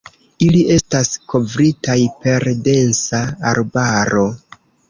Ili estas kovritaj per densa arbaro.